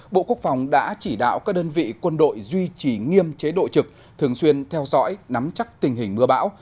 bộ quốc phòng đã chỉ đạo các đơn vị quân đội duy trì nghiêm chế độ trực thường xuyên theo dõi nắm chắc tình hình mưa bão